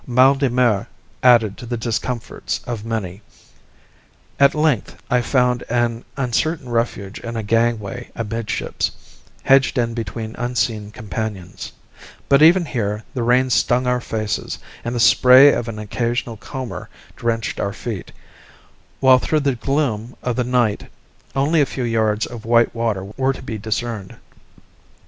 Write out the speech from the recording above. Mal de mer added to the discomforts of many. At length I found an uncertain refuge in a gangway amidships, hedged in between unseen companions; but even here the rain stung our faces and the spray of an occasional comber drenched our feet, while through the gloom of the night only a few yards of white water were to be discerned.